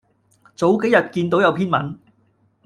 早幾日見到有篇文